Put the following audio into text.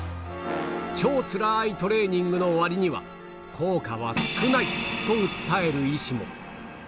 超つらいトレーニングのわりには効果は少ないと訴える医師も。